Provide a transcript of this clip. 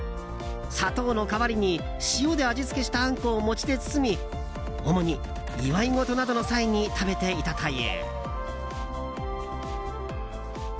砂糖の代わりに塩で味付けしたあんこを餅で包み主に祝い事などの際に食べていたという。